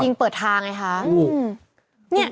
ยิงเปิดทางเขาเหมือนกันเลย